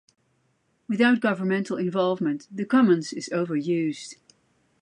Without governmental involvement, the commons is overused.